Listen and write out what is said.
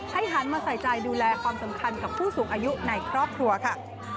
หันมาใส่ใจดูแลความสำคัญกับผู้สูงอายุในครอบครัวค่ะ